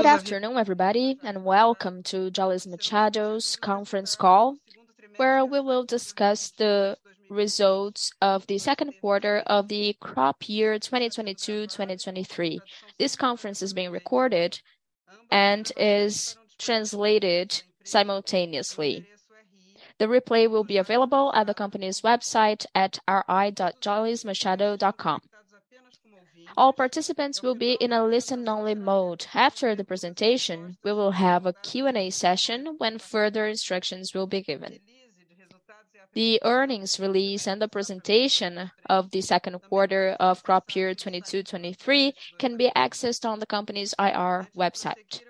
Good afternoon, everybody, and welcome to Jalles Machado's conference call, where we will discuss the results of the second quarter of the crop year 2022-2023. This conference is being recorded and is translated simultaneously. The replay will be available at the company's website at ri.jallesmachado.com. All participants will be in a listen-only mode. After the presentation, we will have a Q&A session when further instructions will be given. The earnings release and the presentation of the second quarter of crop year 2022-2023 can be accessed on the company's IR website.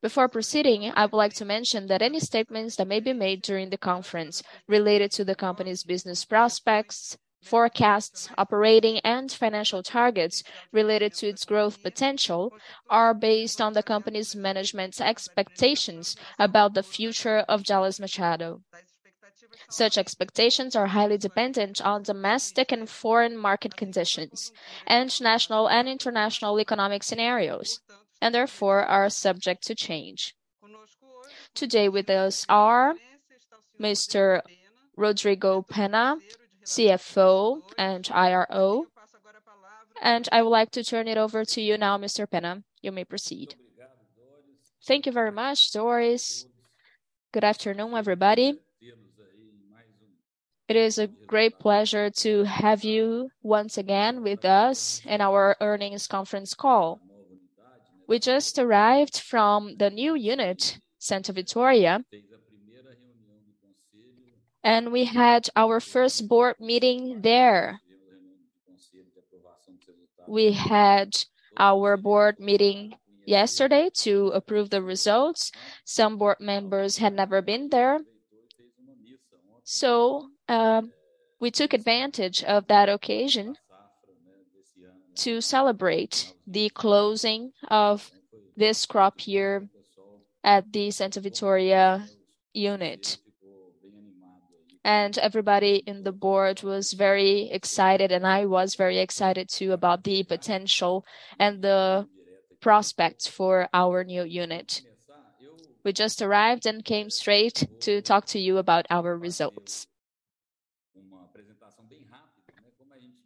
Before proceeding, I would like to mention that any statements that may be made during the conference related to the company's business prospects, forecasts, operating and financial targets related to its growth potential are based on the company's management's expectations about the future of Jalles Machado. Such expectations are highly dependent on domestic and foreign market conditions and national and international economic scenarios, and therefore are subject to change. Today with us are Mr. Rodrigo Penna, CFO and IRO. I would like to turn it over to you now, Mr. Penna. You may proceed. Thank you very much, Doris. Good afternoon, everybody. It is a great pleasure to have you once again with us in our earnings conference call. We just arrived from the new unit, Santa Vitória, and we had our first board meeting there. We had our board meeting yesterday to approve the results. Some board members had never been there. We took advantage of that occasion to celebrate the closing of this crop year at the Santa Vitória unit. Everybody in the board was very excited, and I was very excited too about the potential and the prospects for our new unit. We just arrived and came straight to talk to you about our results.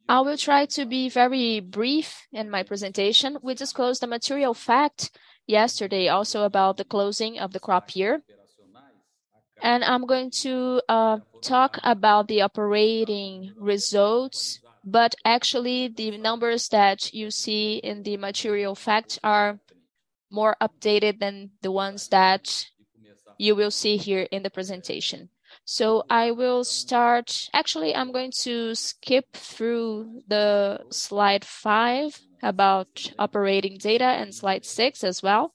I will try to be very brief in my presentation. We disclosed a material fact yesterday also about the closing of the crop year. I'm going to talk about the operating results, but actually the numbers that you see in the material facts are more updated than the ones that you will see here in the presentation. I will start. Actually, I'm going to skip through the slide five about operating data and slide six as well.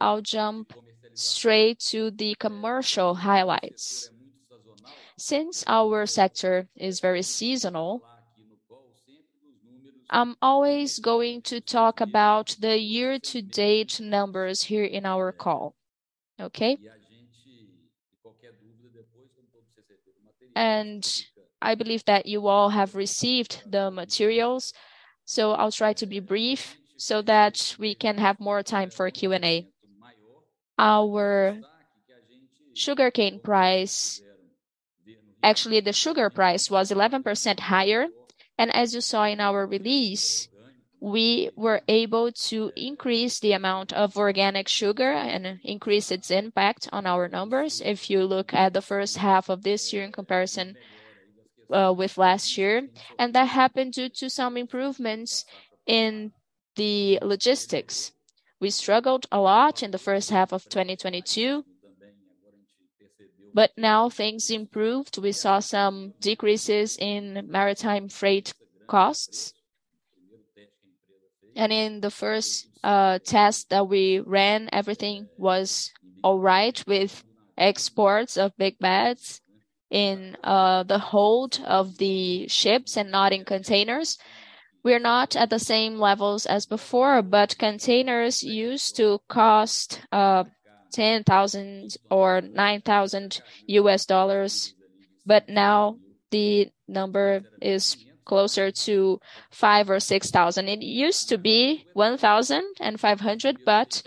I'll jump straight to the commercial highlights. Since our sector is very seasonal, I'm always going to talk about the year-to-date numbers here in our call. Okay? I believe that you all have received the materials, so I'll try to be brief so that we can have more time for Q&A. Our sugarcane price, actually the sugar price was 11% higher. As you saw in our release, we were able to increase the amount of organic sugar and increase its impact on our numbers if you look at the first half of this year in comparison with last year. That happened due to some improvements in the logistics. We struggled a lot in the first half of 2022, but now things improved. We saw some decreases in maritime freight costs. In the first test that we ran, everything was all right with exports of big bags in the hold of the ships and not in containers. We're not at the same levels as before, but containers used to cost $10,000 or $9,000, but now the number is closer to $5,000 or $6,000. It used to be $1,500, but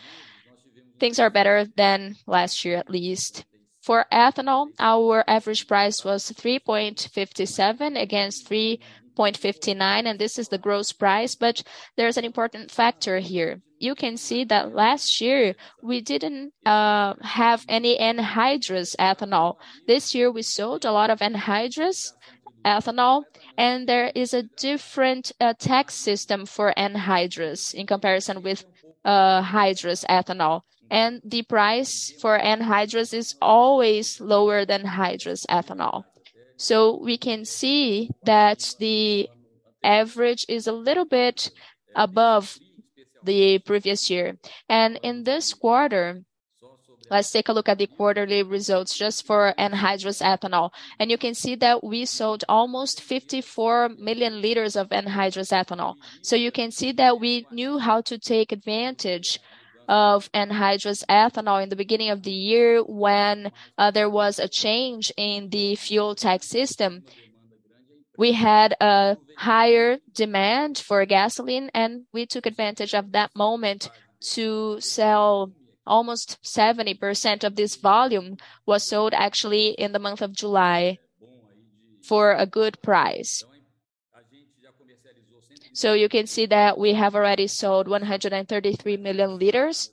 things are better than last year, at least. For ethanol, our average price was 3.57 against 3.59, and this is the gross price, but there's an important factor here. You can see that last year we didn't have any anhydrous ethanol. This year we sold a lot of anhydrous ethanol, and there is a different tax system for anhydrous in comparison with hydrous ethanol. The price for anhydrous is always lower than hydrous ethanol. We can see that the average is a little bit above the previous year. In this quarter, let's take a look at the quarterly results just for anhydrous ethanol. You can see that we sold almost 54 million liters of anhydrous ethanol. You can see that we knew how to take advantage of anhydrous ethanol in the beginning of the year when there was a change in the fuel tax system. We had a higher demand for gasoline, and we took advantage of that moment to sell. Almost 70% of this volume was sold actually in the month of July for a good price. You can see that we have already sold 133 million liters.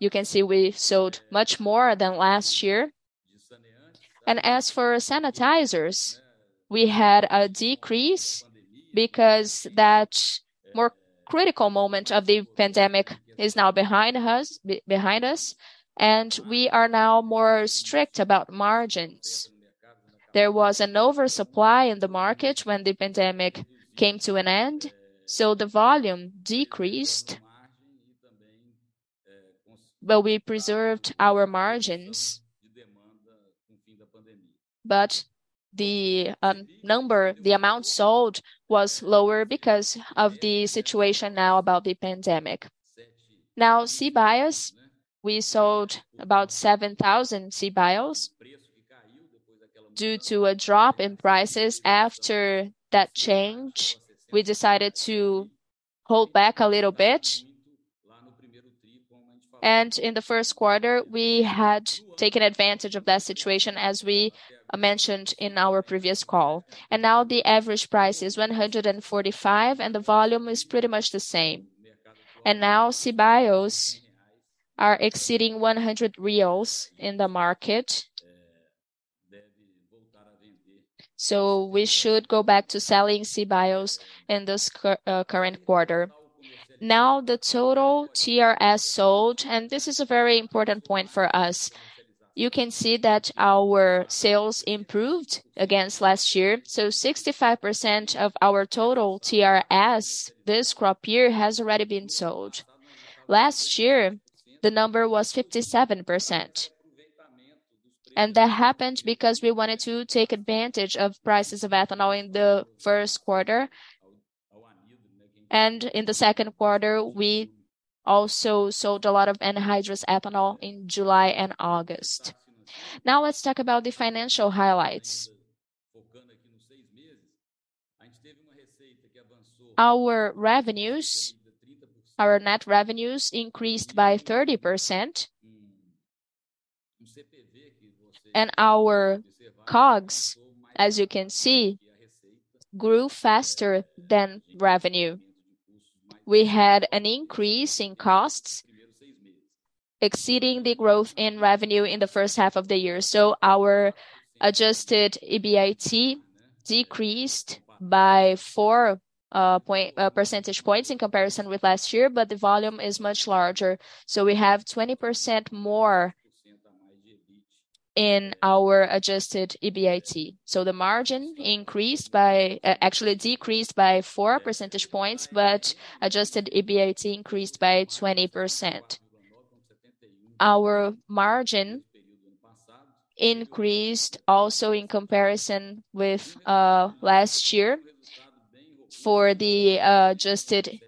You can see we sold much more than last year. As for sanitizers, we had a decrease because that more critical moment of the pandemic is now behind us, and we are now more strict about margins. There was an oversupply in the market when the pandemic came to an end, so the volume decreased. We preserved our margins. The number, the amount sold was lower because of the situation now about the pandemic. Now, CBIOs, we sold about 7,000 CBIOs due to a drop in prices after that change. We decided to hold back a little bit. In the first quarter, we had taken advantage of that situation, as we mentioned in our previous call. Now the average price is 145, and the volume is pretty much the same. Now CBIOs are exceeding 100 reais in the market. We should go back to selling CBIOs in this current quarter. Now the total TRS sold, and this is a very important point for us. You can see that our sales improved against last year, so 65% of our total TRS this crop year has already been sold. Last year, the number was 57%. That happened because we wanted to take advantage of prices of ethanol in the first quarter. In the second quarter, we also sold a lot of anhydrous ethanol in July and August. Now let's talk about the financial highlights. Our revenues, our net revenues increased by 30%. Our COGS, as you can see, grew faster than revenue. We had an increase in costs exceeding the growth in revenue in the first half of the year. Our adjusted EBIT decreased by 4 percentage points in comparison with last year, but the volume is much larger. We have 20% more in our adjusted EBIT. The margin increased by, actually decreased by 4 percentage points, but adjusted EBIT increased by 20%. Our margin increased also in comparison with last year for the adjusted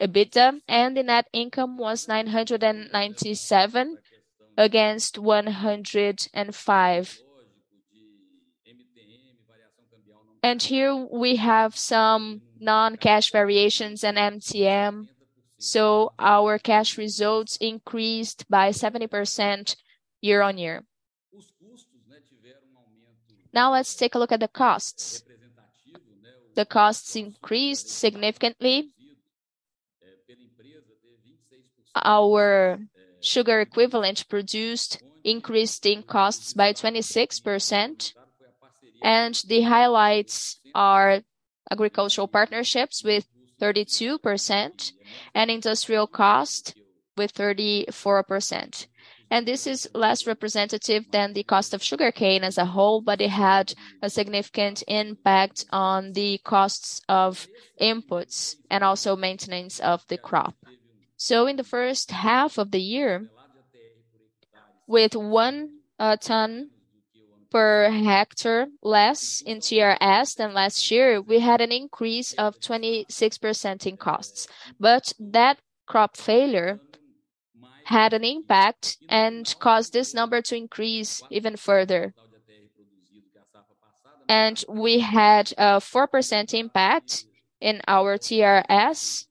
EBITDA, and the net income was 997 against 105. Here we have some non-cash variations in MTM, so our cash results increased by 70% year-on-year. Now let's take a look at the costs. The costs increased significantly. Our sugar equivalent produced increasing costs by 26%. The highlights are agricultural partnerships with 32% and industrial cost with 34%. This is less representative than the cost of sugarcane as a whole, but it had a significant impact on the costs of inputs and also maintenance of the crop. In the first half of the year, with one ton per hectare less in TRS than last year, we had an increase of 26% in costs. That crop failure had an impact and caused this number to increase even further. We had a 4% impact in our TRS,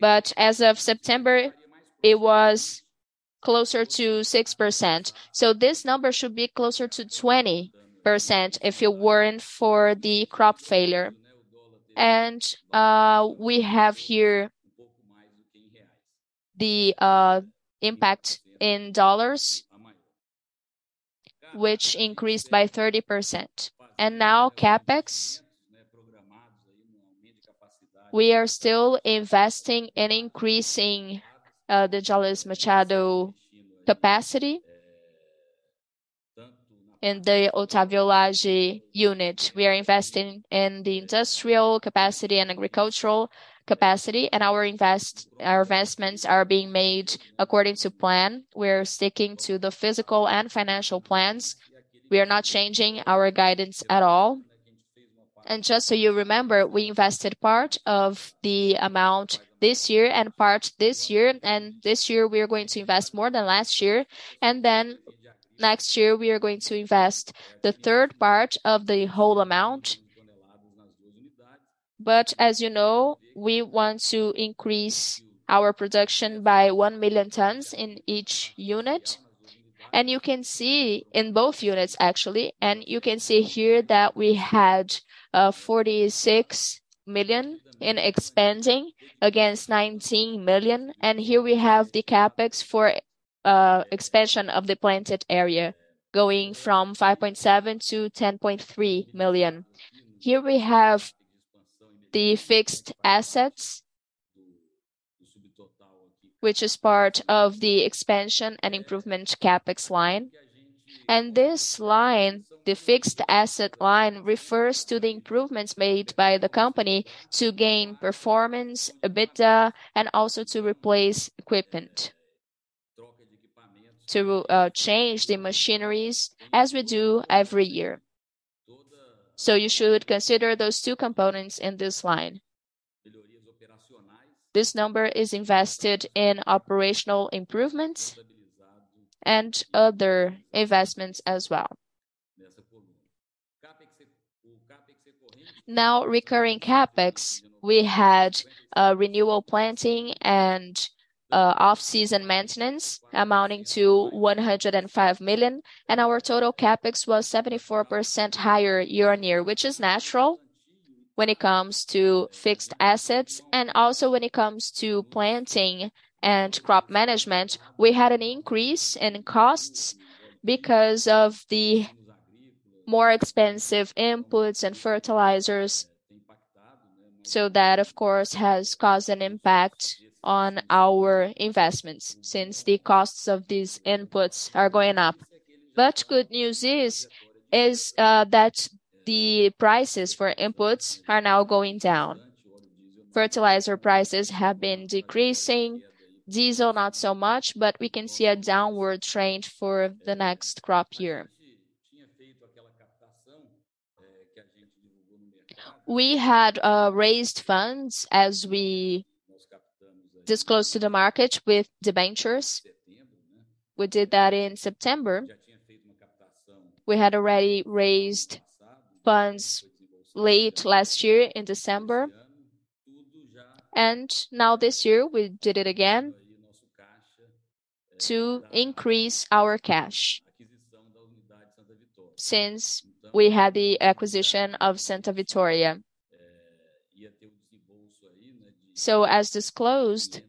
but as of September, it was closer to 6%. This number should be closer to 20% if it weren't for the crop failure. We have here the impact in dollars, which increased by 30%. Now CapEx. We are still investing in increasing the Jalles Machado capacity in the Otávio Lage unit. We are investing in the industrial capacity and agricultural capacity, and our investments are being made according to plan. We're sticking to the physical and financial plans. We are not changing our guidance at all. Just so you remember, we invested part of the amount this year and part this year. This year, we are going to invest more than last year. Then next year, we are going to invest the third part of the whole amount. As you know, we want to increase our production by 1 million tons in each unit. You can see, in both units actually, and you can see here that we had 46 million in expanding against 19 million. Here we have the CapEx for expansion of the planted area going from 5.7 million-10.3 million. Here we have the fixed assets, which is part of the expansion and improvement CapEx line. This line, the fixed asset line, refers to the improvements made by the company to gain performance, EBITDA, and also to replace equipment to change the machineries as we do every year. You should consider those two components in this line. This number is invested in operational improvements and other investments as well. Now, recurring CapEx. We had renewal planting and off-season maintenance amounting to 105 million, and our total CapEx was 74% higher year-on-year, which is natural when it comes to fixed assets. Also when it comes to planting and crop management, we had an increase in costs because of the more expensive inputs and fertilizers. That, of course, has caused an impact on our investments since the costs of these inputs are going up. Good news is that the prices for inputs are now going down. Fertilizer prices have been decreasing. Diesel, not so much, but we can see a downward trend for the next crop year. We had raised funds as we disclosed to the market with debentures. We did that in September. We had already raised funds late last year in December. Now this year, we did it again to increase our cash since we had the acquisition of Santa Vitória. As disclosed,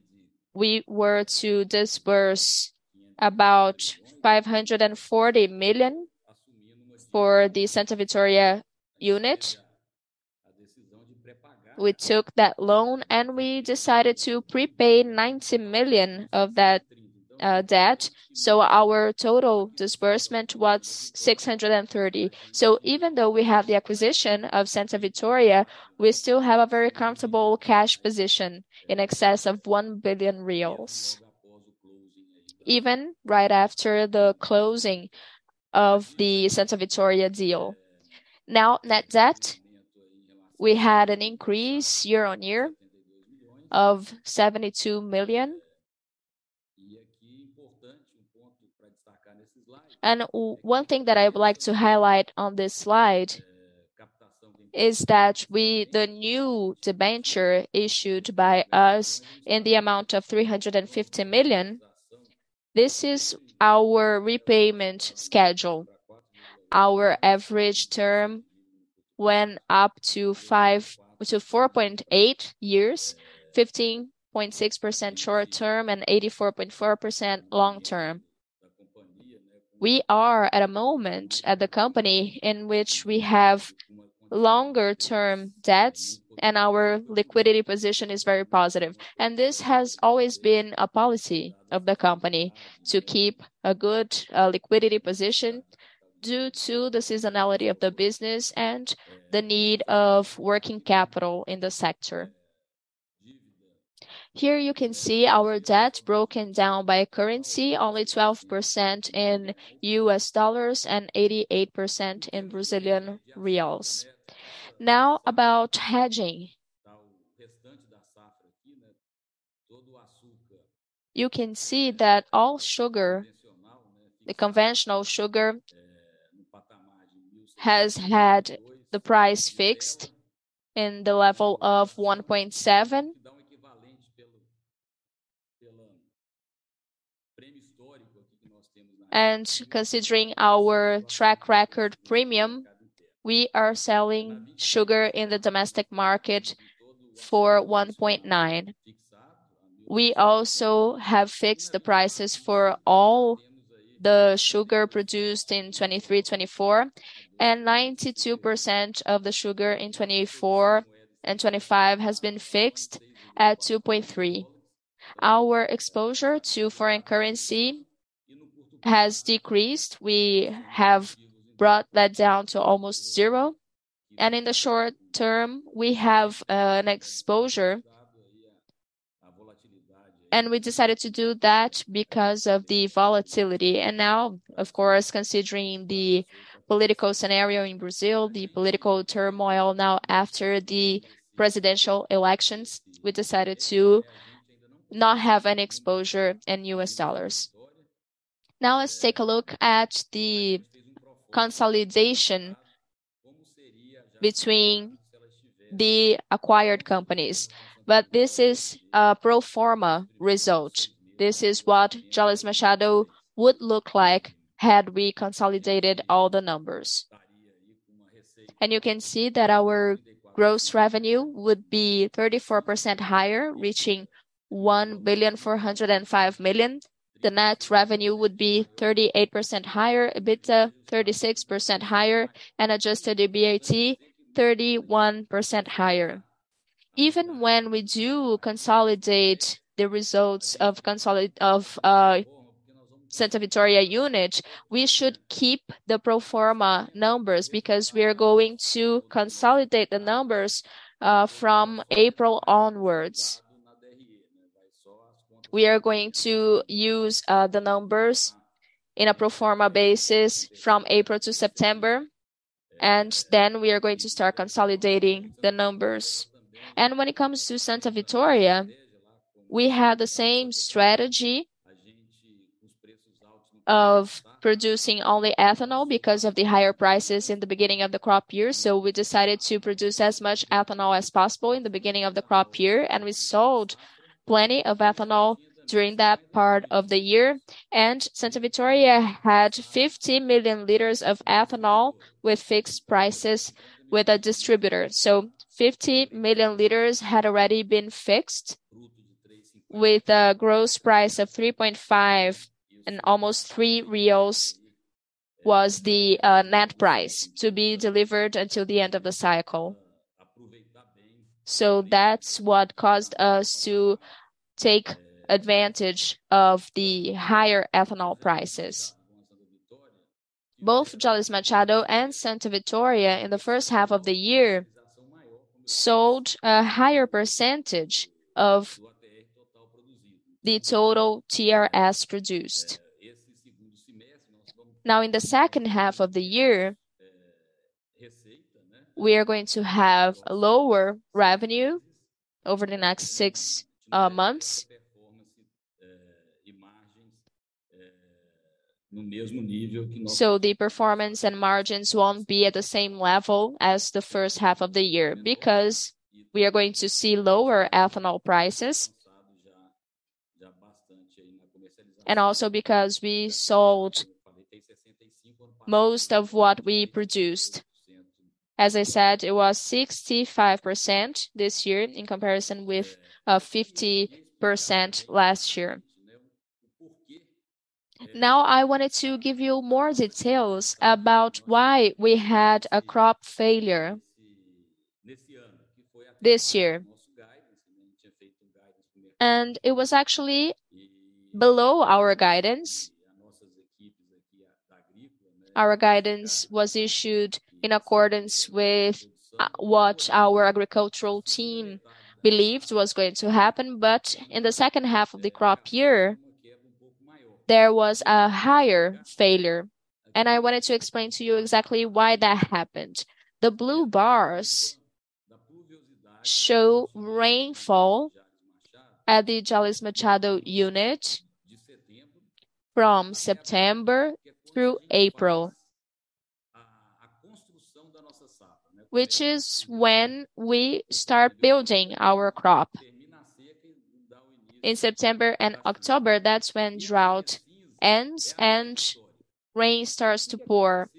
we were to disburse about 540 million for the Santa Vitória unit. We took that loan, and we decided to prepay 90 million of that debt, so our total disbursement was 630 million. Even though we have the acquisition of Santa Vitória, we still have a very comfortable cash position in excess of 1 billion reais even right after the closing of the Santa Vitória deal. Now, net debt, we had an increase year-on-year of BRL 72 million. One thing that I would like to highlight on this slide is that we, the new debenture issued by us in the amount of 350 million, this is our repayment schedule. Our average term went up to 4.8 years, 15.6% short term, and 84.4% long term. We are at a moment at the company in which we have longer term debts, and our liquidity position is very positive. This has always been a policy of the company to keep a good, liquidity position due to the seasonality of the business and the need of working capital in the sector. Here you can see our debt broken down by currency, only 12% in U.S. dollars and 88% in Brazilian reals. Now, about hedging. You can see that all sugar, the conventional sugar, has had the price fixed in the level of 1.7. Considering our track record premium, we are selling sugar in the domestic market for 1.9. We also have fixed the prices for all the sugar produced in 2023-2024, and 92% of the sugar in 2024 and 2025 has been fixed at 2.3. Our exposure to foreign currency has decreased. We have brought that down to almost zero. In the short term, we have an exposure. We decided to do that because of the volatility. Now, of course, considering the political scenario in Brazil, the political turmoil now after the presidential elections, we decided to not have any exposure in U.S. dollars. Now let's take a look at the consolidation between the acquired companies. This is a pro forma result. This is what Jalles Machado would look like had we consolidated all the numbers. You can see that our gross revenue would be 34% higher, reaching 1.405 billion. The net revenue would be 38% higher, EBITDA 36% higher, and adjusted EBIT 31% higher. Even when we do consolidate the results of the Santa Vitória unit, we should keep the pro forma numbers because we are going to consolidate the numbers from April onwards. We are going to use the numbers in a pro forma basis from April to September, and then we are going to start consolidating the numbers. When it comes to Santa Vitória, we have the same strategy of producing only ethanol because of the higher prices in the beginning of the crop year. We decided to produce as much ethanol as possible in the beginning of the crop year, and we sold plenty of ethanol during that part of the year. Santa Vitória had 50 million liters of ethanol with fixed prices with a distributor. 50 million liters had already been fixed with a gross price of 3.5, and almost 3 reais was the net price to be delivered until the end of the cycle. That's what caused us to take advantage of the higher ethanol prices. Both Jalles Machado and Santa Vitória in the first half of the year sold a higher percentage of the total TRS produced. Now, in the second half of the year, we are going to have lower revenue over the next six months. The performance and margins won't be at the same level as the first half of the year because we are going to see lower ethanol prices and also because we sold most of what we produced. As I said, it was 65% this year in comparison with 50% last year. Now, I wanted to give you more details about why we had a crop failure this year. It was actually below our guidance. Our guidance was issued in accordance with what our agricultural team believed was going to happen. In the second half of the crop year, there was a higher failure. I wanted to explain to you exactly why that happened. The blue bars show rainfall at the Jalles Machado unit from September through April, which is when we start building our crop. In September and October, that's when drought ends and rain starts to pour.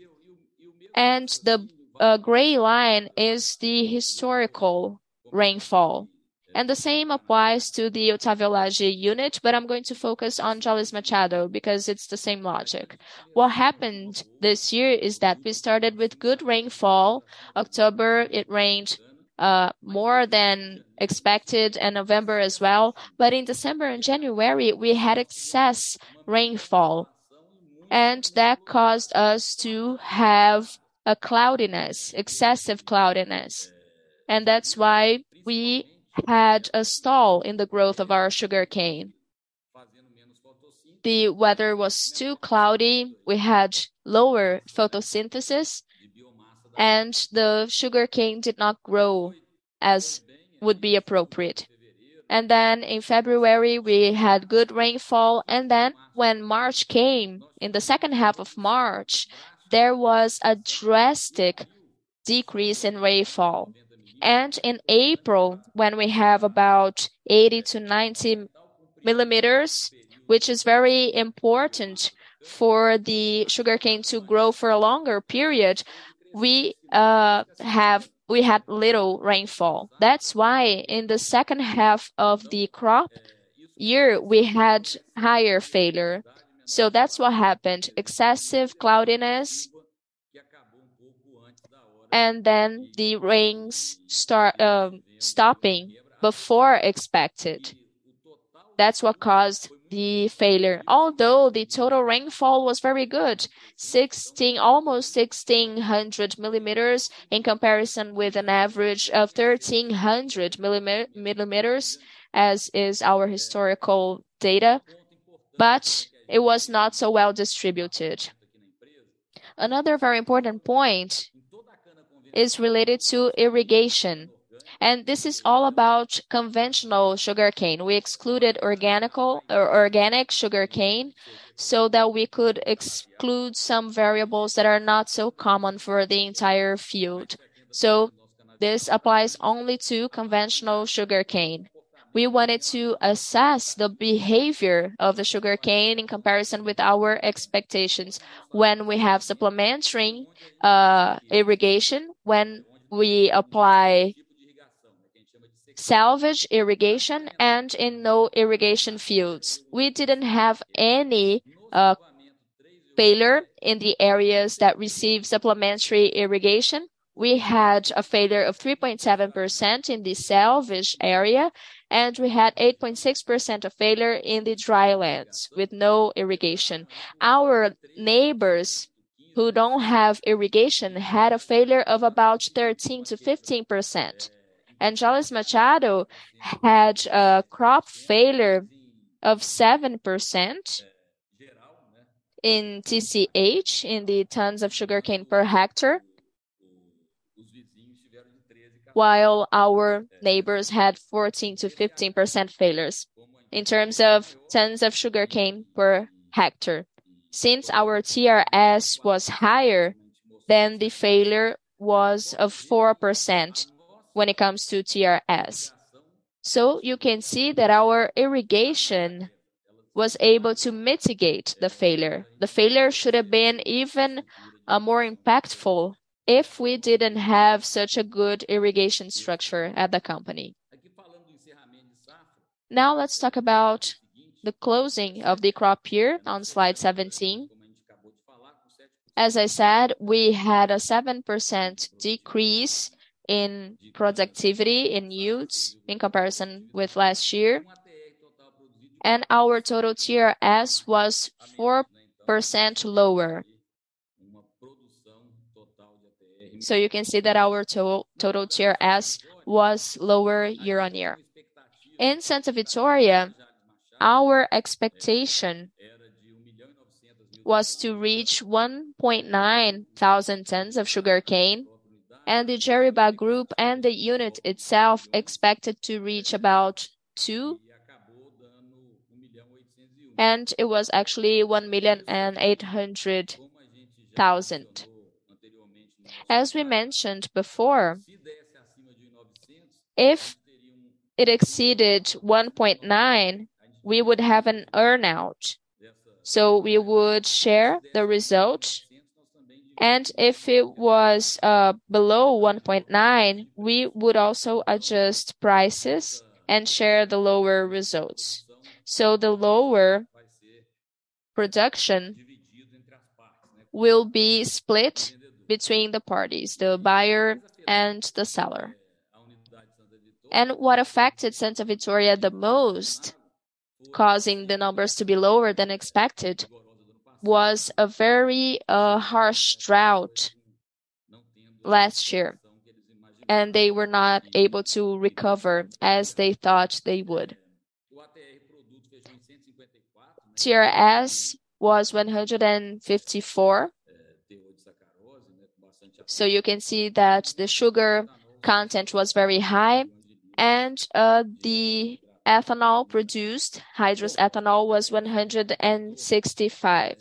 The gray line is the historical rainfall. The same applies to the Otávio Lage unit, but I'm going to focus on Jalles Machado because it's the same logic. What happened this year is that we started with good rainfall. October, it rained more than expected, and November as well. In December and January, we had excess rainfall, and that caused us to have a cloudiness, excessive cloudiness. That's why we had a stall in the growth of our sugarcane. The weather was too cloudy. We had lower photosynthesis, and the sugarcane did not grow as would be appropriate. In February, we had good rainfall. When March came, in the second half of March, there was a drastic decrease in rainfall. In April, when we have about 80 millimeters-90 millimeters, which is very important for the sugarcane to grow for a longer period, we had little rainfall. That's why in the second half of the crop year, we had higher failure. That's what happened. Excessive cloudiness and then the rains stopping before expected. That's what caused the failure. Although the total rainfall was very good, almost 1,600 millimeters in comparison with an average of 1,300 millimeters, as is our historical data, but it was not so well distributed. Another very important point is related to irrigation, and this is all about conventional sugarcane. We excluded organic or organic sugarcane so that we could exclude some variables that are not so common for the entire field. So this applies only to conventional sugarcane. We wanted to assess the behavior of the sugarcane in comparison with our expectations when we have supplementary irrigation, when we apply salvage irrigation, and in no irrigation fields. We didn't have any failure in the areas that receive supplementary irrigation. We had a failure of 3.7% in the salvage area, and we had 8.6% of failure in the dry lands with no irrigation. Our neighbors who don't have irrigation had a failure of about 13%-15%. Jalles Machado had a crop failure of 7% in TCH, in the tons of sugarcane per hectare, while our neighbors had 14%-15% failures in terms of tons of sugarcane per hectare. Since our TRS was higher than the failure was of 4% when it comes to TRS. You can see that our irrigation was able to mitigate the failure. The failure should have been even, more impactful if we didn't have such a good irrigation structure at the company. Now let's talk about the closing of the crop year on slide 17. As I said, we had a 7% decrease in productivity in yields in comparison with last year. Our total TRS was 4% lower. You can see that our total TRS was lower year-over-year. In Santa Vitória, our expectation was to reach 1.9 million tons of sugarcane, and the Grupo Geribá and the unit itself expected to reach about 2 million, and it was actually 1.8 million. As we mentioned before, if it exceeded 1.9 million, we would have an earn-out, so we would share the results. If it was below 1.9 million, we would also adjust prices and share the lower results. The lower production will be split between the parties, the buyer and the seller. What affected Santa Vitória the most, causing the numbers to be lower than expected, was a very harsh drought last year, and they were not able to recover as they thought they would. TRS was 154. You can see that the sugar content was very high and, the ethanol produced, hydrous ethanol was 165.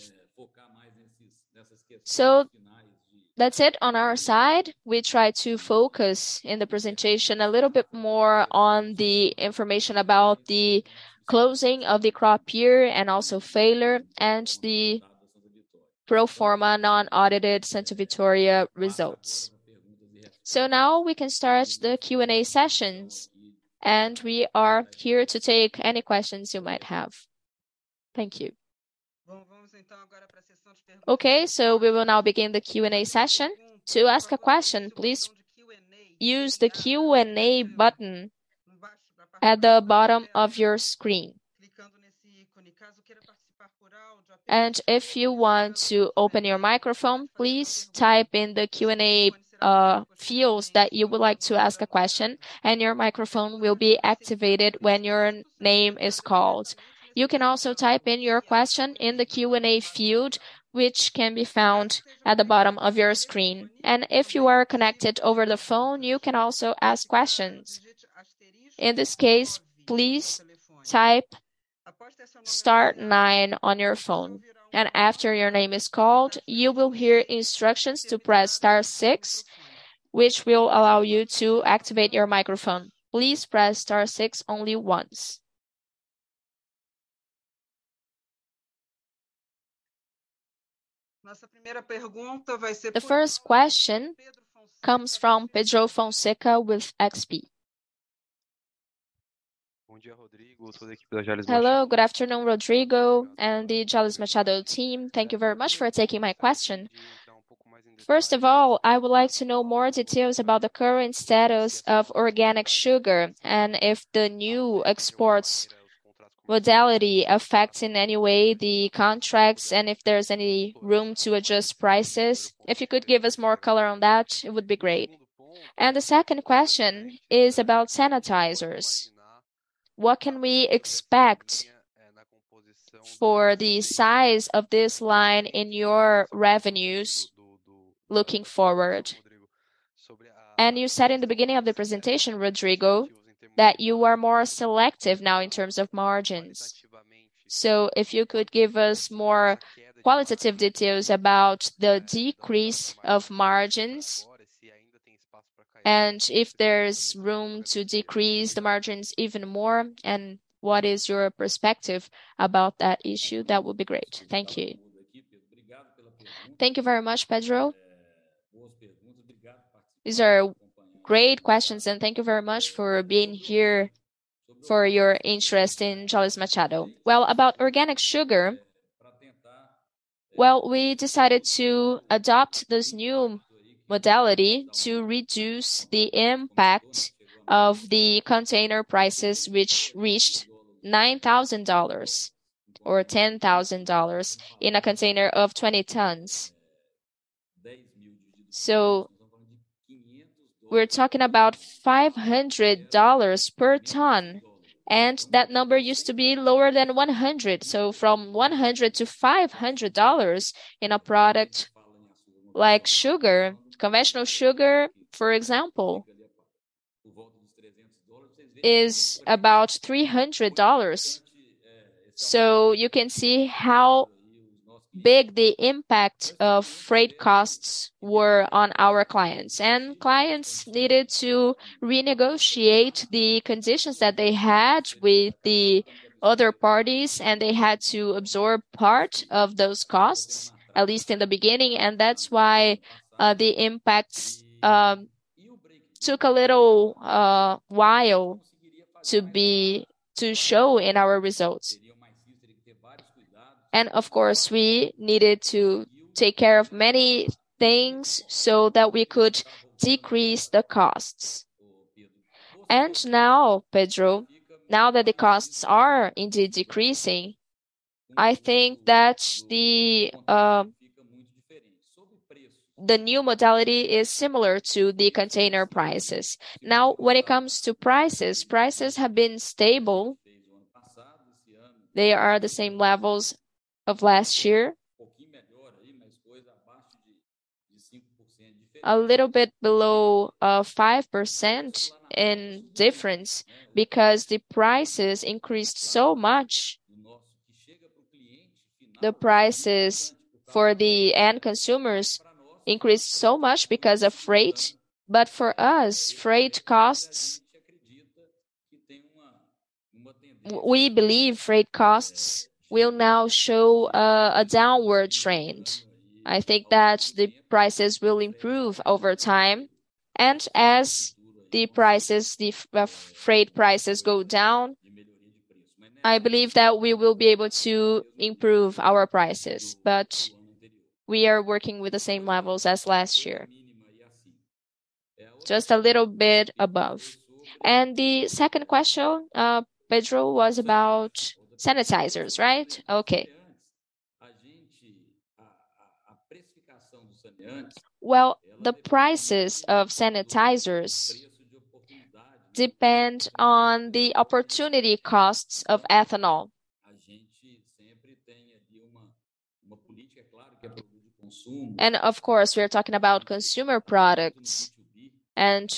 That's it on our side. We try to focus in the presentation a little bit more on the information about the closing of the crop year and also fiber and the pro forma non-audited Santa Vitória results. Now we can start the Q&A sessions, and we are here to take any questions you might have. Thank you. Okay, we will now begin the Q&A session. To ask a question, please use the Q&A button at the bottom of your screen. If you want to open your microphone, please type in the Q&A fields that you would like to ask a question, and your microphone will be activated when your name is called. You can also type in your question in the Q&A field, which can be found at the bottom of your screen. If you are connected over the phone, you can also ask questions. In this case, please type star nine on your phone, and after your name is called, you will hear instructions to press star six, which will allow you to activate your microphone. Please press star six only once. The first question comes from Pedro Fonseca with XP. Hello, good afternoon, Rodrigo and the Jalles Machado team. Thank you very much for taking my question. First of all, I would like to know more details about the current status of organic sugar and if the new exports modality affects in any way the contracts and if there's any room to adjust prices. If you could give us more color on that, it would be great. The second question is about sanitizers. What can we expect for the size of this line in your revenues looking forward? You said in the beginning of the presentation, Rodrigo, that you are more selective now in terms of margins. If you could give us more qualitative details about the decrease of margins, and if there's room to decrease the margins even more, and what is your perspective about that issue, that would be great. Thank you. Thank you very much, Pedro. These are great questions, and thank you very much for being here, for your interest in Jalles Machado. Well, about organic sugar, well, we decided to adopt this new modality to reduce the impact of the container prices which reached $9,000 or $10,000 in a container of 20 tons. We're talking about $500 per ton, and that number used to be lower than $100. From $100-$500 in a product like sugar. Conventional sugar, for example, is about $300. You can see how big the impact of freight costs were on our clients. Clients needed to renegotiate the conditions that they had with the other parties, and they had to absorb part of those costs, at least in the beginning. That's why the impacts took a little while to show in our results. Of course, we needed to take care of many things so that we could decrease the costs. Now, Pedro, now that the costs are indeed decreasing, I think that the new modality is similar to the container prices. Now, when it comes to prices have been stable. They are the same levels of last year. A little bit below 5% in difference because the prices increased so much. The prices for the end consumers increased so much because of freight. For us, freight costs we believe freight costs will now show a downward trend. I think that the prices will improve over time. As the prices, the freight prices go down, I believe that we will be able to improve our prices. We are working with the same levels as last year. Just a little bit above. The second question, Pedro, was about sanitizers, right? Okay. Well, the prices of sanitizers depend on the opportunity costs of ethanol. Of course, we are talking about consumer products, and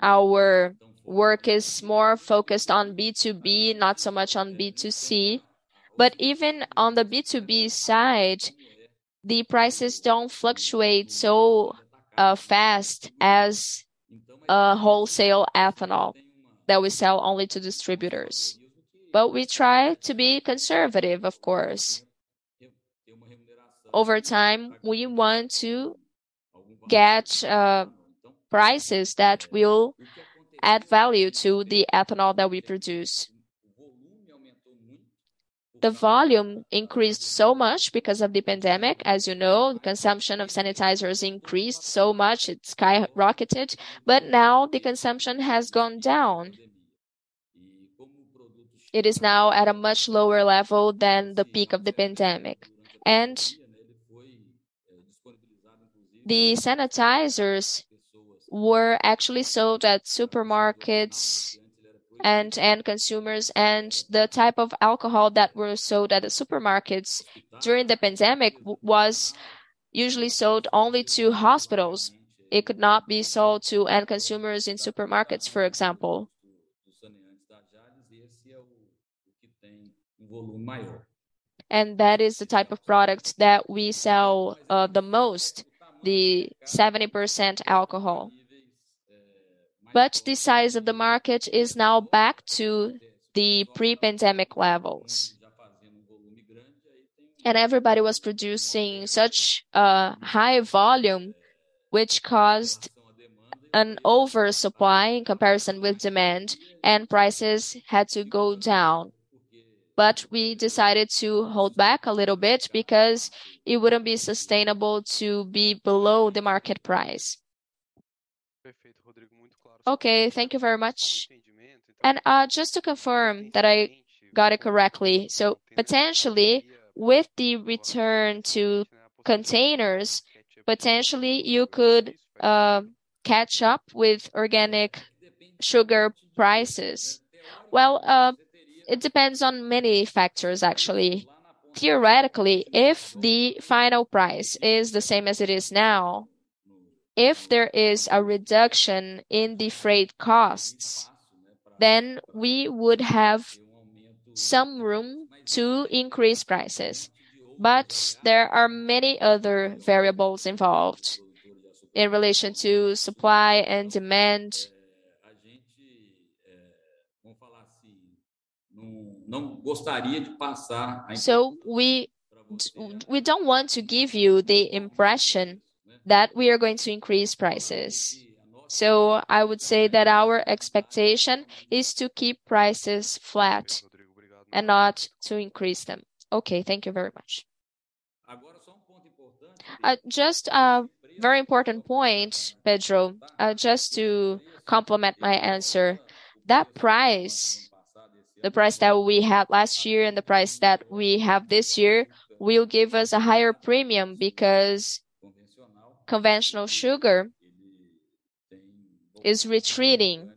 our work is more focused on B2B, not so much on B2C. Even on the B2B side, the prices don't fluctuate so fast as wholesale ethanol that we sell only to distributors. We try to be conservative, of course. Over time, we want to get prices that will add value to the ethanol that we produce. The volume increased so much because of the pandemic. As you know, the consumption of sanitizers increased so much, it skyrocketed. Now the consumption has gone down. It is now at a much lower level than the peak of the pandemic. The sanitizers were actually sold at supermarkets and end consumers, and the type of alcohol that was sold at the supermarkets during the pandemic was usually sold only to hospitals. It could not be sold to end consumers in supermarkets, for example. That is the type of product that we sell the most, the 70% alcohol. The size of the market is now back to the pre-pandemic levels. Everybody was producing such a high volume, which caused an oversupply in comparison with demand, and prices had to go down. We decided to hold back a little bit because it wouldn't be sustainable to be below the market price. Okay, thank you very much. Just to confirm that I got it correctly. Potentially with the return to containers, potentially you could catch up with organic sugar prices? It depends on many factors actually. Theoretically, if the final price is the same as it is now, if there is a reduction in the freight costs, then we would have some room to increase prices. There are many other variables involved in relation to supply and demand. We don't want to give you the impression that we are going to increase prices. I would say that our expectation is to keep prices flat and not to increase them. Okay, thank you very much. Just a very important point, Pedro, just to complement my answer. That price, the price that we had last year and the price that we have this year, will give us a higher premium because conventional sugar is retreating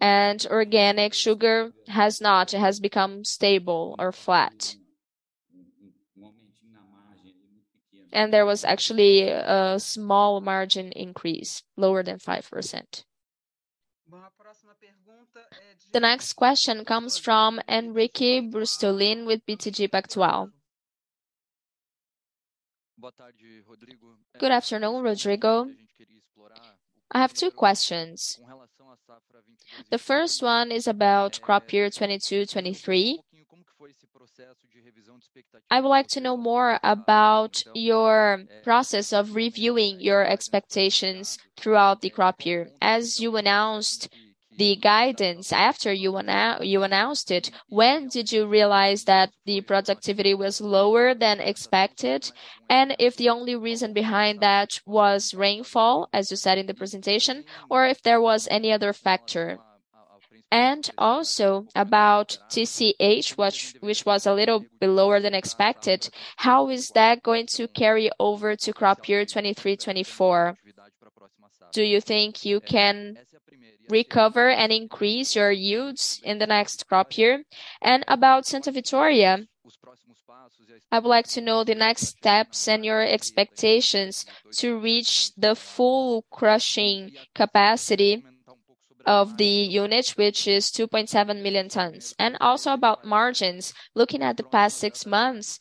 and organic sugar has not. It has become stable or flat. There was actually a small margin increase, lower than 5%. The next question comes from Henrique Brustolin with BTG Pactual. Good afternoon, Rodrigo. I have two questions. The first one is about crop year 2022-2023. I would like to know more about your process of reviewing your expectations throughout the crop year. As you announced the guidance, after you announced it, when did you realize that the productivity was lower than expected? And if the only reason behind that was rainfall, as you said in the presentation, or if there was any other factor? And also about TCH, which was a little lower than expected, how is that going to carry over to crop year 2023-2024? Do you think you can recover and increase your yields in the next crop year? About Santa Vitória, I would like to know the next steps and your expectations to reach the full crushing capacity of the unit, which is 2.7 million tons. Also about margins. Looking at the past six months,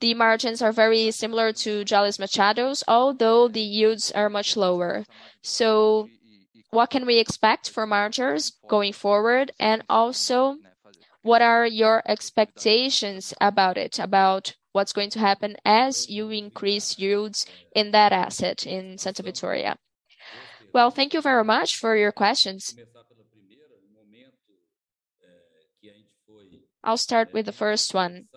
the margins are very similar to Jalles Machado's, although the yields are much lower. What can we expect for margins going forward? Also, what are your expectations about it, about what's going to happen as you increase yields in that asset in Santa Vitória? Well, thank you very much for your questions. I'll start with the first one.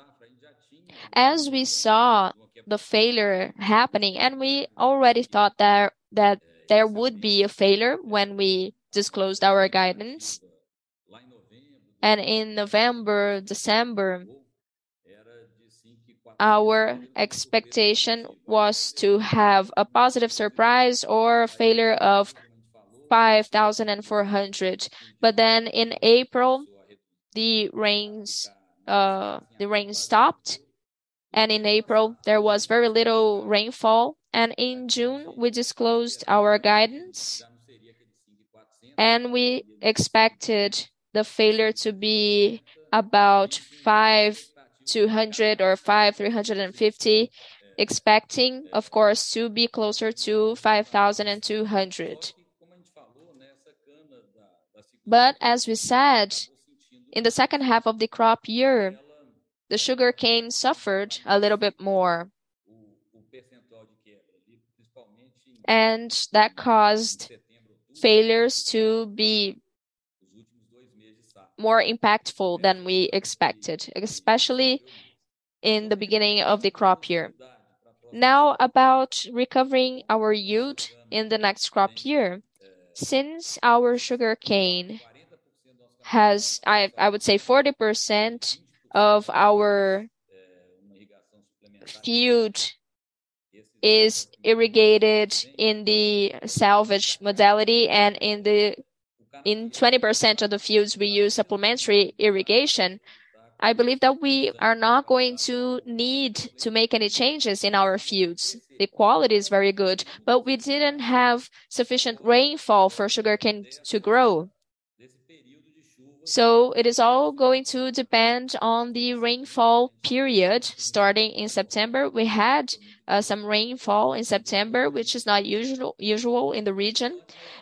As we saw the shortfall happening, and we already thought there, that there would be a shortfall when we disclosed our guidance. In November, December, our expectation was to have a positive surprise or failure of 5,400. In April, the rains, the rain stopped, and in April, there was very little rainfall. In June, we disclosed our guidance, and we expected the failure to be about 5,200 or 5,350, expecting, of course, to be closer to 5,200. As we said, in the second half of the crop year, the sugarcane suffered a little bit more. That caused failures to be more impactful than we expected, especially in the beginning of the crop year. Now, about recovering our yield in the next crop year. Since our sugarcane has, I would say 40% of our yield is irrigated in the salvage modality and in 20% of the fields we use supplementary irrigation, I believe that we are not going to need to make any changes in our fields. The quality is very good, but we didn't have sufficient rainfall for sugarcane to grow. It is all going to depend on the rainfall period starting in September. We had some rainfall in September, which is not usual in the region.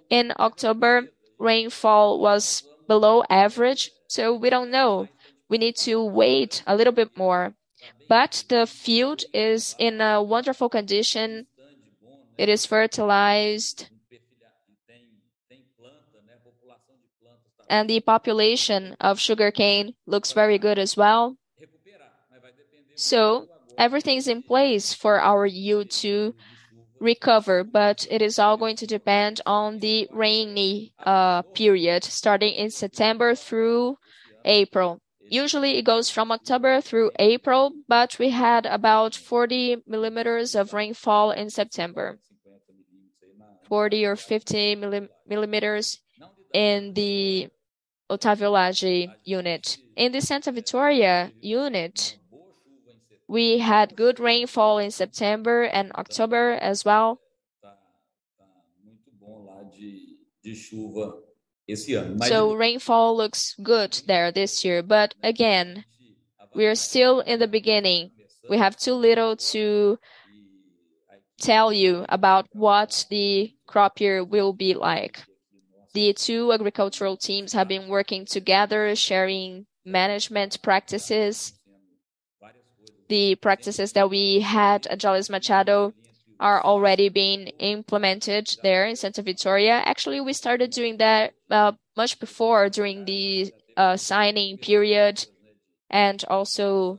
In October, rainfall was below average, so we don't know. We need to wait a little bit more. The field is in a wonderful condition. It is fertilized. The population of sugarcane looks very good as well. Everything is in place for our yield to recover, but it is all going to depend on the rainy period starting in September through April. Usually, it goes from October through April, but we had about 40 millimeters of rainfall in September. 40 or 50 millimeters in the Otávio Lage unit. In the Santa Vitória unit, we had good rainfall in September and October as well. Rainfall looks good there this year. Again, we are still in the beginning. We have too little to tell you about what the crop year will be like. The two agricultural teams have been working together, sharing management practices. The practices that we had at Jalles Machado are already being implemented there in Santa Vitória. Actually, we started doing that much before during the signing period. Also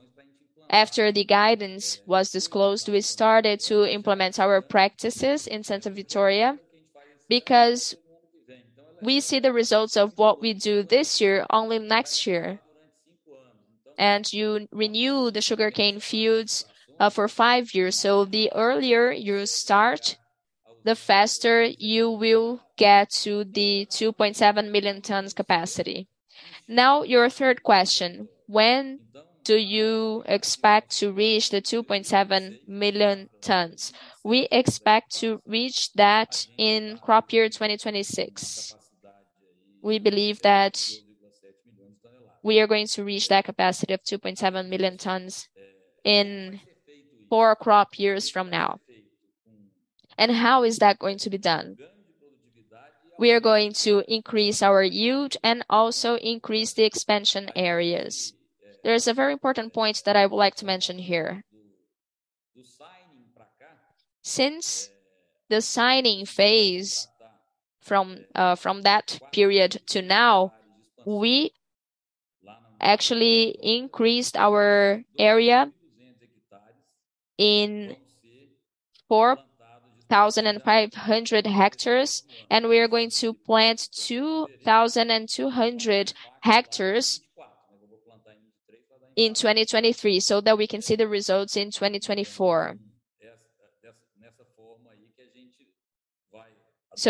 after the guidance was disclosed, we started to implement our practices in Santa Vitória because we see the results of what we do this year, only next year. You renew the sugarcane fields for five years. The earlier you start, the faster you will get to the 2.7 million tons capacity. Now, your third question. When do you expect to reach the 2.7 million tons? We expect to reach that in crop year 2026. We believe that we are going to reach that capacity of 2.7 million tons in four crop years from now. How is that going to be done? We are going to increase our yield and also increase the expansion areas. There is a very important point that I would like to mention here. Since the signing phase from that period to now, we actually increased our area in 4,500 hectares, and we are going to plant 2,200 hectares in 2023 so that we can see the results in 2024.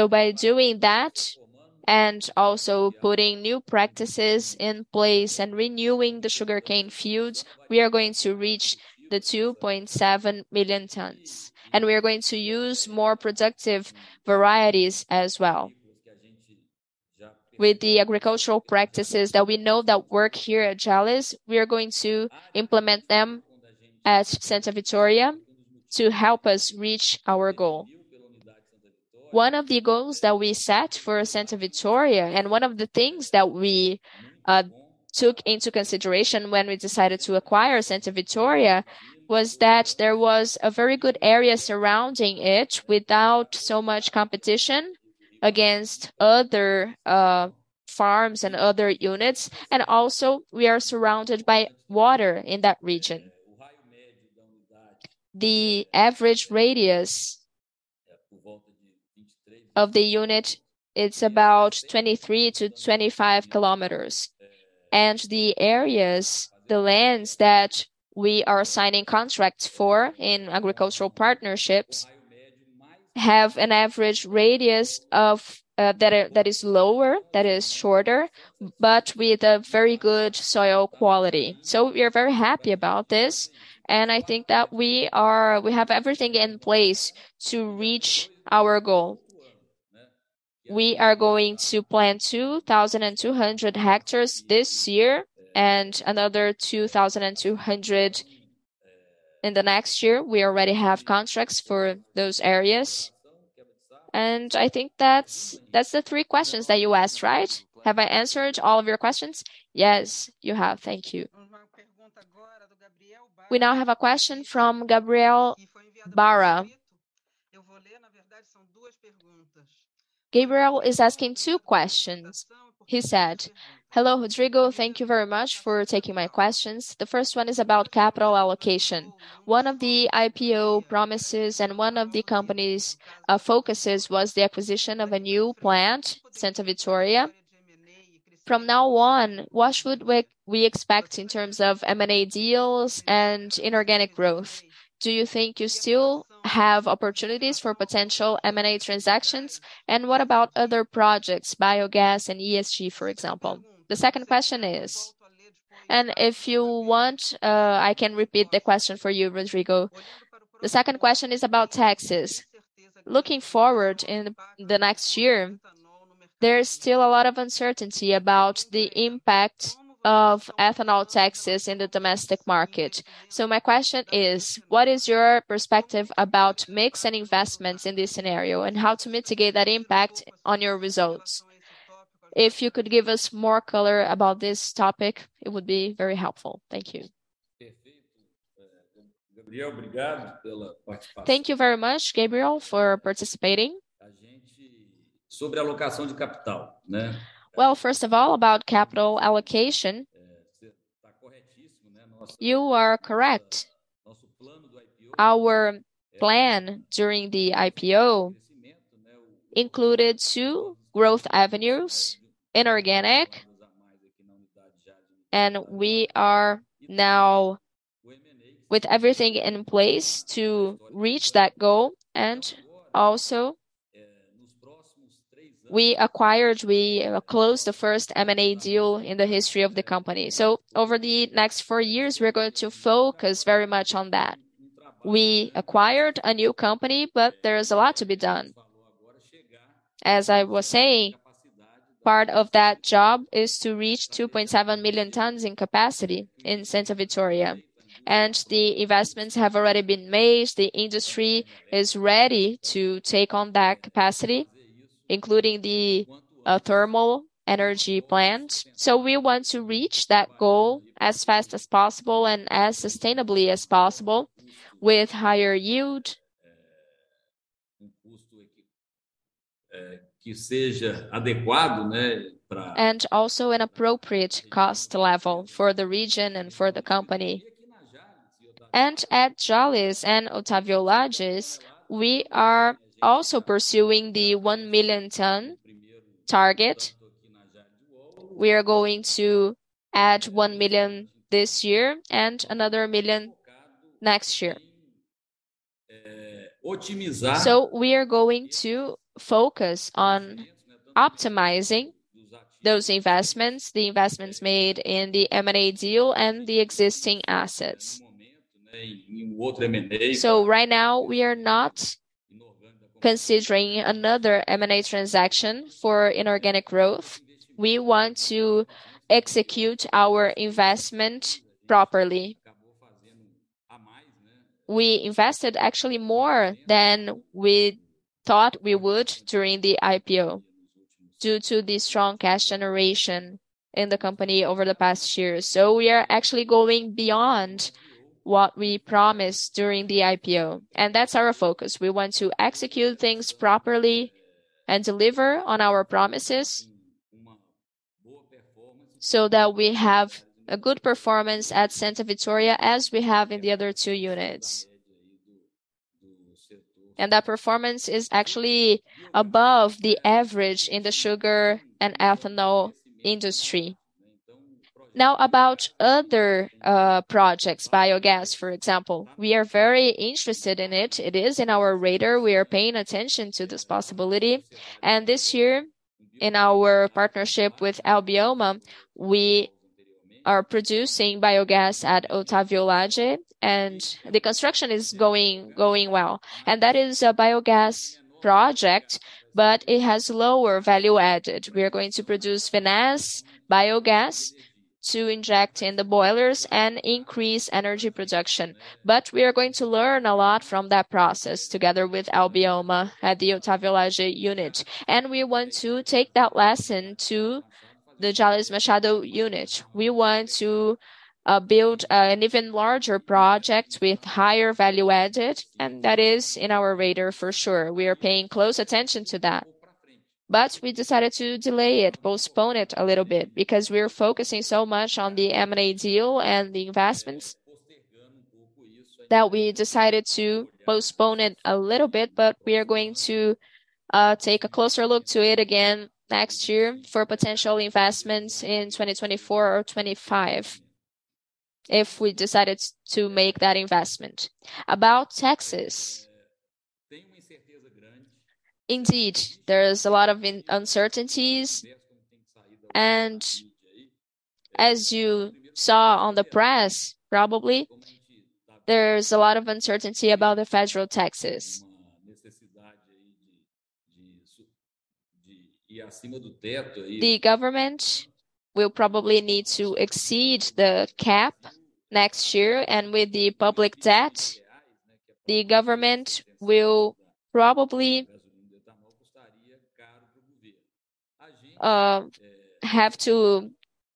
By doing that and also putting new practices in place and renewing the sugarcane fields, we are going to reach the 2.7 million tons, and we are going to use more productive varieties as well. With the agricultural practices that we know that work here at Jalles, we are going to implement them at Santa Vitória to help us reach our goal. One of the goals that we set for Santa Vitória, and one of the things that we took into consideration when we decided to acquire Santa Vitória, was that there was a very good area surrounding it without so much competition against other farms and other units. We are surrounded by water in that region. The average radius of the unit, it's about 23 km-25 km. The areas, the lands that we are signing contracts for in agricultural partnerships have an average radius of that is lower, that is shorter, but with a very good soil quality. We are very happy about this, and I think that we have everything in place to reach our goal. We are going to plant 2,200 hectares this year and another 2,200 hectares in the next year. We already have contracts for those areas. I think that's the three questions that you asked, right? Have I answered all of your questions? Yes, you have. Thank you. We now have a question from Gabriel Barra. Gabriel is asking two questions. He said, "Hello, Rodrigo. Thank you very much for taking my questions. The first one is about capital allocation. One of the IPO promises and one of the company's focuses was the acquisition of a new plant, Santa Vitória. From now on, what should we expect in terms of M&A deals and inorganic growth? Do you think you still have opportunities for potential M&A transactions? What about other projects, biogas and ESG, for example? The second question is. If you want, I can repeat the question for you, Rodrigo. The second question is about taxes. Looking forward in the next year, there is still a lot of uncertainty about the impact of ethanol taxes in the domestic market. My question is: What is your perspective about mix and investments in this scenario, and how to mitigate that impact on your results? If you could give us more color about this topic, it would be very helpful. Thank you. Thank you very much, Gabriel, for participating. Well, first of all, about capital allocation, you are correct. Our plan during the IPO included two growth avenues: inorganic. We are now with everything in place to reach that goal. Also, we acquired. We closed the first M&A deal in the history of the company. Over the next four years we're going to focus very much on that. We acquired a new company, but there is a lot to be done. As I was saying, part of that job is to reach 2.7 million tons in capacity in Santa Vitória, and the investments have already been made. The industry is ready to take on that capacity, including the thermal energy plant. We want to reach that goal as fast as possible and as sustainably as possible with higher yield. Also an appropriate cost level for the region and for the company. At Jalles and Otávio Lage, we are also pursuing the 1 million ton target. We are going to add 1 million this year and another million next year. We are going to focus on optimizing those investments, the investments made in the M&A deal and the existing assets. Right now we are not considering another M&A transaction for inorganic growth. We want to execute our investment properly. We invested actually more than we thought we would during the IPO, due to the strong cash generation in the company over the past years. We are actually going beyond what we promised during the IPO, and that's our focus. We want to execute things properly and deliver on our promises, so that we have a good performance at Santa Vitória as we have in the other two units. That performance is actually above the average in the sugar and ethanol industry. Now, about other projects, biogas for example. We are very interested in it. It is in our radar. We are paying attention to this possibility. This year, in our partnership with Albioma, we are producing biogas at Otávio Lage, and the construction is going well. That is a biogas project, but it has lower value added. We are going to produce vinasse biogas to inject in the boilers and increase energy production. We are going to learn a lot from that process together with Albioma at the Otávio Lage unit. We want to take that lesson to the Jalles Machado unit. We want to build an even larger project with higher value added, and that is in our radar for sure. We are paying close attention to that. We decided to delay it, postpone it a little bit, because we are focusing so much on the M&A deal and the investments that we decided to postpone it a little bit, but we are going to take a closer look to it again next year for potential investments in 2024 or 2025 if we decided to make that investment. About taxes, indeed, there is a lot of uncertainties. As you saw on the press, probably, there's a lot of uncertainty about the federal taxes. The government will probably need to exceed the cap next year, and with the public debt, the government will probably have to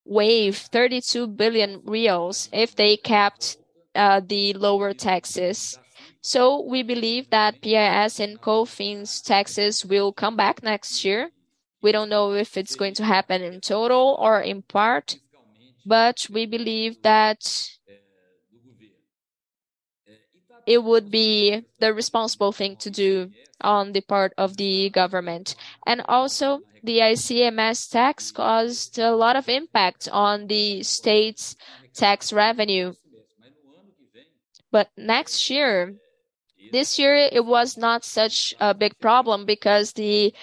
waive 32 billion reais if they kept the lower taxes. We believe that PIS and COFINS taxes will come back next year. We don't know if it's going to happen in total or in part, but we believe that it would be the responsible thing to do on the part of the government. Also the ICMS tax caused a lot of impact on the state's tax revenue. Next year, this year it was not such a big problem because the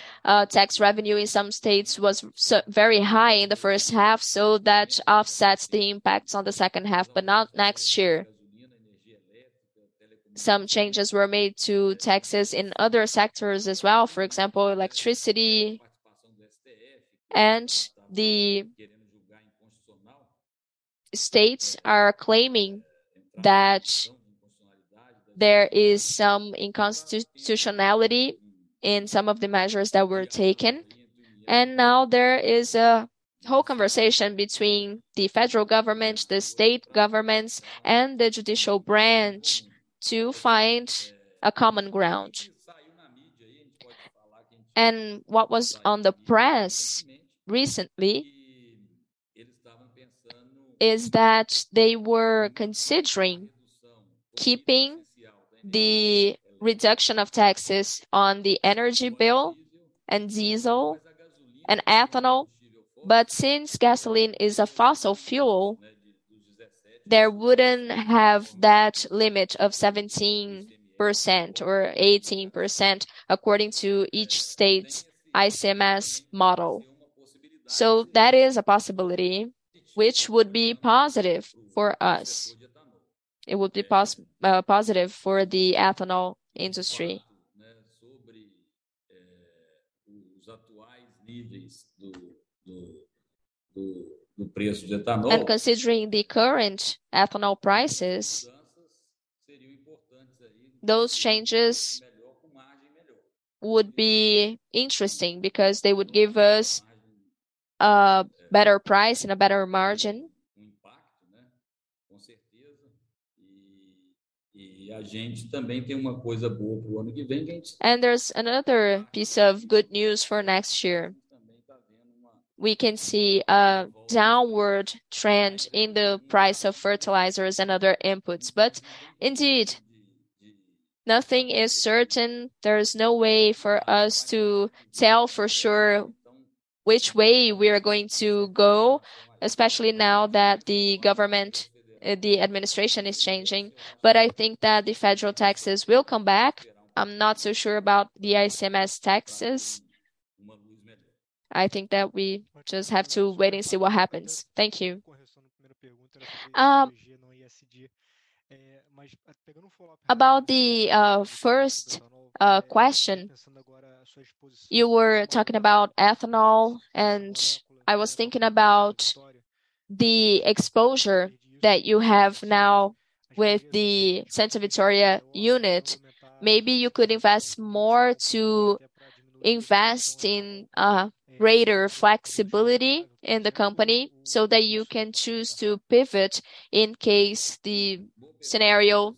tax revenue in some states was very high in the first half, so that offsets the impacts on the second half, but not next year. Some changes were made to taxes in other sectors as well, for example, electricity. The states are claiming that there is some unconstitutionality in some of the measures that were taken. Now there is a whole conversation between the federal governments, the state governments and the judicial branch to find a common ground. What was on the press recently is that they were considering keeping the reduction of taxes on the energy bill and diesel and ethanol, but since gasoline is a fossil fuel, there wouldn't have that limit of 17% or 18% according to each state's ICMS model. That is a possibility which would be positive for us. It would be positive for the ethanol industry. Considering the current ethanol prices, those changes would be interesting because they would give us better price and a better margin. There's another piece of good news for next year. We can see a downward trend in the price of fertilizers and other inputs. Indeed, nothing is certain. There's no way for us to tell for sure which way we are going to go, especially now that the government, the administration is changing. I think that the federal taxes will come back. I'm not so sure about the ICMS taxes. I think that we just have to wait and see what happens. Thank you. About the first question, you were talking about ethanol, and I was thinking about the exposure that you have now with the Santa Vitória unit. Maybe you could invest more in greater flexibility in the company so that you can choose to pivot in case the scenario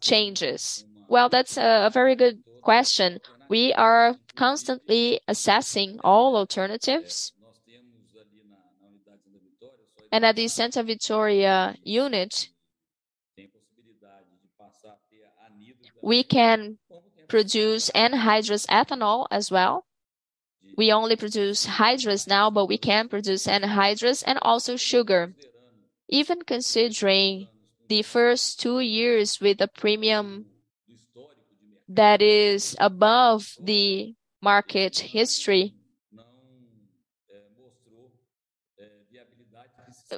changes. Well, that's a very good question. We are constantly assessing all alternatives. At the Santa Vitória unit, we can produce anhydrous ethanol as well. We only produce hydrous now, but we can produce anhydrous and also sugar. Even considering the first two years with a premium that is above the market history,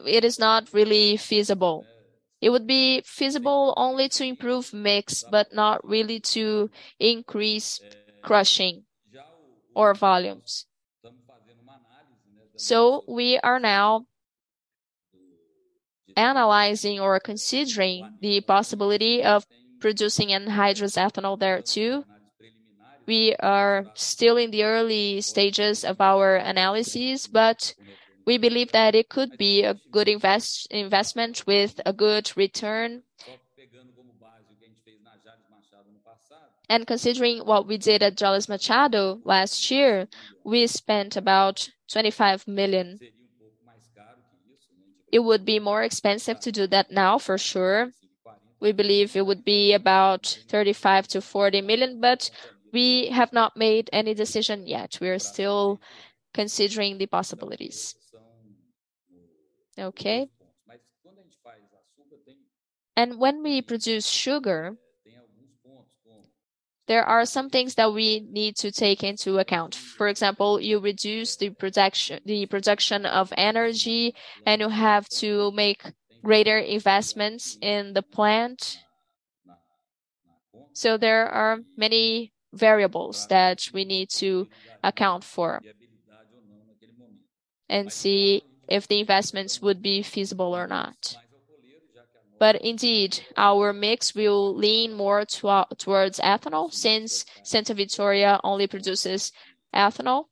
it is not really feasible. It would be feasible only to improve mix, but not really to increase crushing or volumes. We are now analyzing or considering the possibility of producing anhydrous ethanol there too. We are still in the early stages of our analysis, but we believe that it could be a good investment with a good return. Considering what we did at Jalles Machado last year, we spent about 25 million. It would be more expensive to do that now for sure. We believe it would be about 35 million-40 million, but we have not made any decision yet. We are still considering the possibilities. Okay. When we produce sugar, there are some things that we need to take into account. For example, you reduce the production of energy, and you have to make greater investments in the plant. There are many variables that we need to account for and see if the investments would be feasible or not. Indeed, our mix will lean more towards ethanol since Santa Vitória only produces ethanol.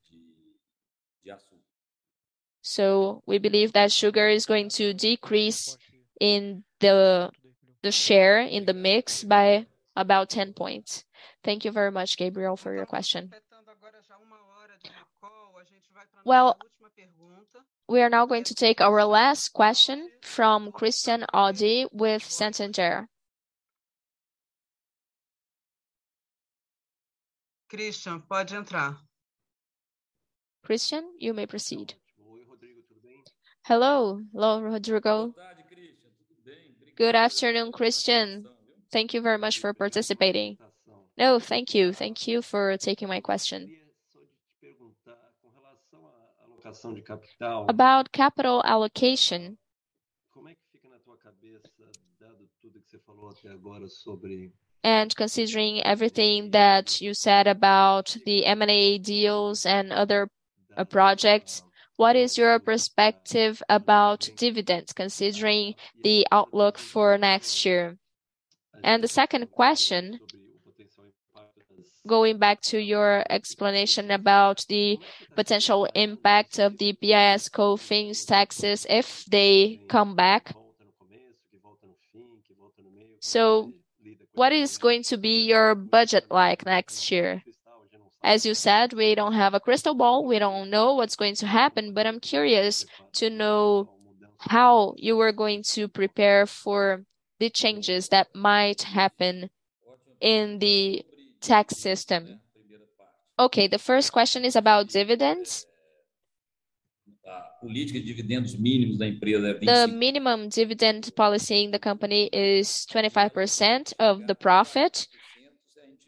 We believe that sugar is going to decrease in the share in the mix by about 10 points. Thank you very much, Gabriel, for your question. Well, we are now going to take our last question from Christian Audi with Santander. Christian, you may proceed. Hello. Hello, Rodrigo. Good afternoon, Christian. Thank you very much for participating. No, thank you. Thank you for taking my question. About capital allocation. Considering everything that you said about the M&A deals and other projects, what is your perspective about dividends considering the outlook for next year? The second question, going back to your explanation about the potential impact of the PIS/COFINS taxes if they come back. What is going to be your budget like next year? As you said, we don't have a crystal ball. We don't know what's going to happen. But I'm curious to know how you are going to prepare for the changes that might happen in the tax system. Okay, the first question is about dividends. The minimum dividend policy in the company is 25% of the profit,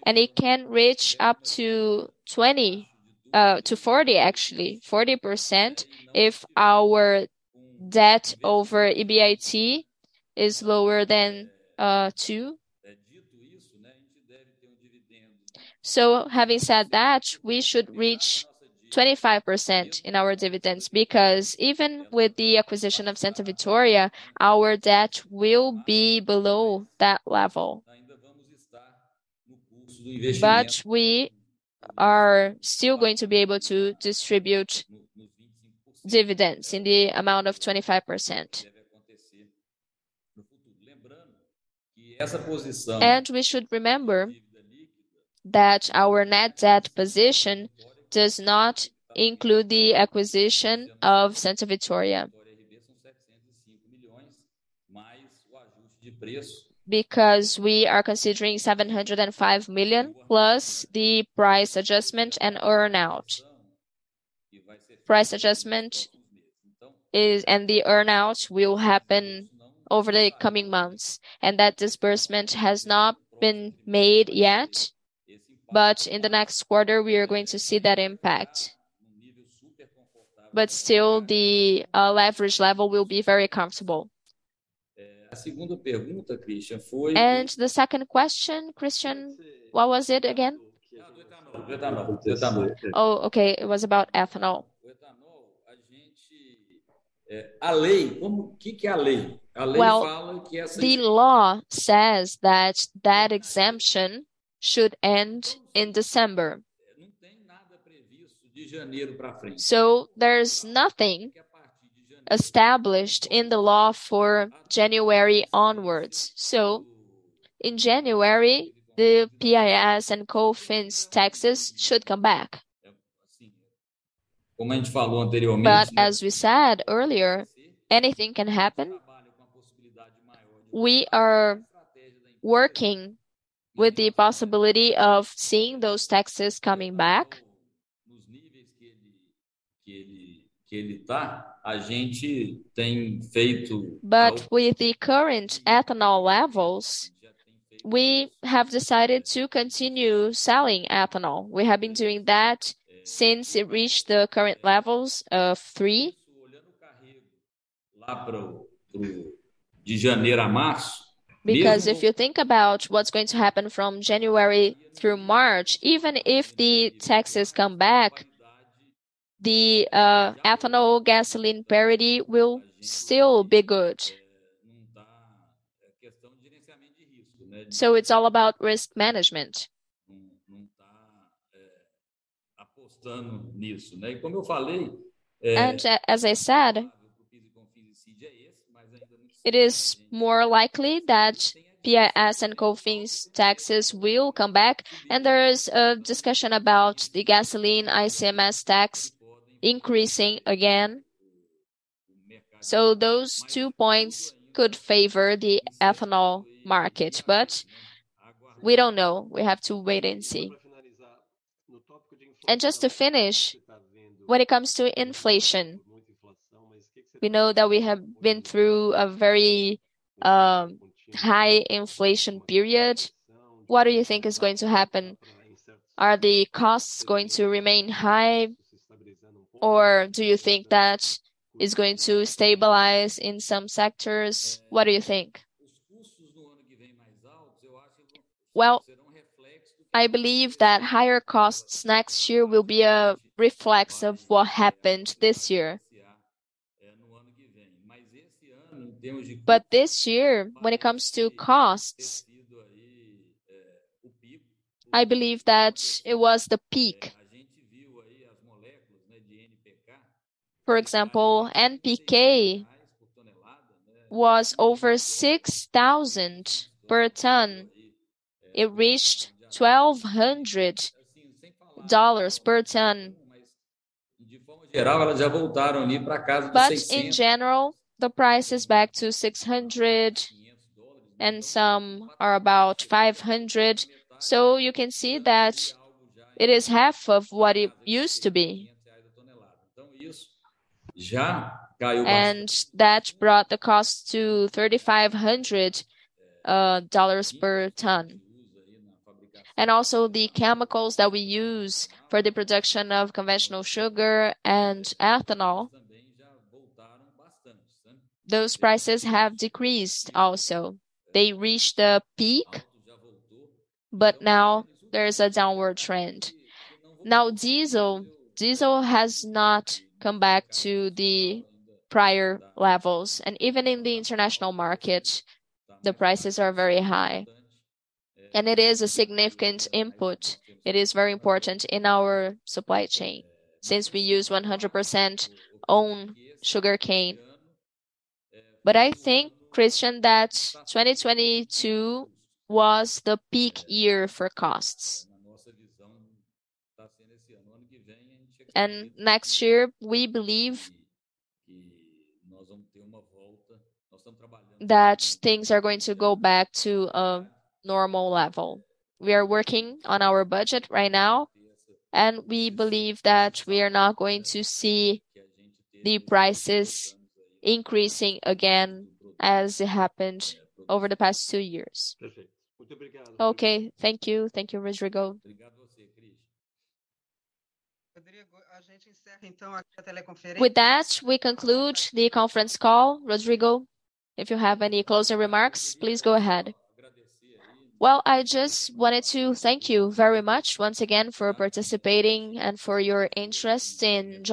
and it can reach up to twenty to forty actually, 40% if our debt over EBIT is lower than two. Having said that, we should reach 25% in our dividends, because even with the acquisition of Santa Vitória, our debt will be below that level. We are still going to be able to distribute dividends in the amount of 25%. We should remember that our net debt position does not include the acquisition of Santa Vitória. Because we are considering 705 million plus the price adjustment and earn-out. Price adjustment and the earn-out will happen over the coming months, and that disbursement has not been made yet. In the next quarter, we are going to see that impact. Still, the leverage level will be very comfortable. The second question, Christian, what was it again? Oh, okay, it was about ethanol. Well, the law says that that exemption should end in December. There's nothing established in the law for January onwards. In January, the PIS and COFINS taxes should come back. As we said earlier, anything can happen. We are working with the possibility of seeing those taxes coming back. With the current ethanol levels, we have decided to continue selling ethanol. We have been doing that since it reached the current levels of three. Because if you think about what's going to happen from January through March, even if the taxes come back, the ethanol gasoline parity will still be good. It's all about risk management. As I said, it is more likely that PIS and COFINS taxes will come back, and there is a discussion about the gasoline ICMS tax increasing again. Those two points could favor the ethanol market, but we don't know. We have to wait and see. Just to finish, when it comes to inflation, we know that we have been through a very high inflation period. What do you think is going to happen? Are the costs going to remain high, or do you think that it's going to stabilize in some sectors? What do you think? Well, I believe that higher costs next year will be a reflex of what happened this year. This year, when it comes to costs, I believe that it was the peak. For example, NPK was over $6,000 per ton. It reached $1,200 per ton. In general, the price is back to $600, and some are about $500. You can see that it is half of what it used to be. That brought the cost to $3,500 per ton. Also the chemicals that we use for the production of conventional sugar and ethanol, those prices have decreased also. They reached a peak, but now there is a downward trend. Now, diesel has not come back to the prior levels. Even in the international market, the prices are very high. It is a significant input. It is very important in our supply chain since we use 100% own sugarcane. I think, Christian, that 2022 was the peak year for costs. Next year we believe that things are going to go back to a normal level. We are working on our budget right now, and we believe that we are now going to see the prices increasing again as it happened over the past two years. Okay. Thank you. Thank you, Rodrigo. With that, we conclude the conference call. Rodrigo, if you have any closing remarks, please go ahead. Well, I just wanted to thank you very much once again for participating and for your interest in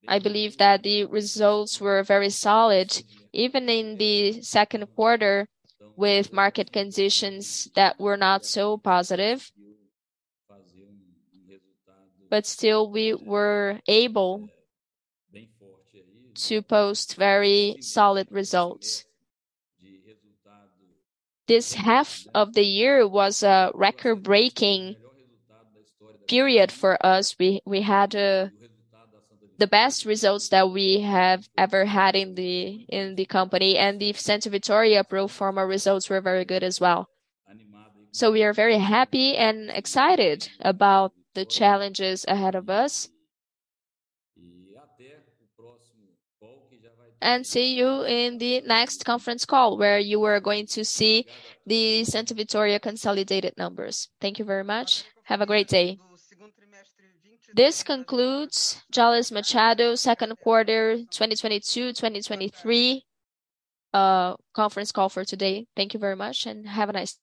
Jalles Machado. I believe that the results were very solid, even in the second quarter with market conditions that were not so positive. Still we were able to post very solid results. This half of the year was a record-breaking period for us. We had the best results that we have ever had in the company, and the Santa Vitória pro forma results were very good as well. We are very happy and excited about the challenges ahead of us. See you in the next conference call where you are going to see the Santa Vitória consolidated numbers. Thank you very much. Have a great day. This concludes Jalles Machado's second quarter 2022/2023 conference call for today. Thank you very much and have a nice day.